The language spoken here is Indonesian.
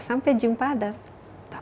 sampai jumpa ada